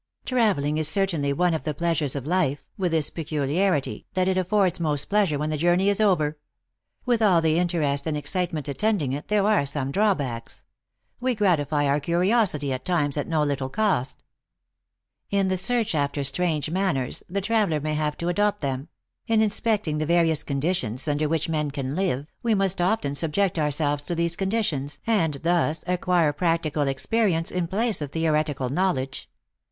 u Traveling is certainly one of the pleasures of life, with this peculiarity, that it affords most pleasure when the journey is over. With all the interest and excite ment attending it, there are some drawbacks. We gratify our curiosity at times at no little cost. In the search after strange manners, the traveler may have to adopt them ; in inspecting the various conditions under which men can live, we must often subject our selves to these conditions, and thus acquire practical experience in place of theoretical knowledge.